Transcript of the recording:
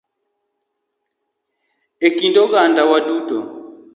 E kind oganda wa duto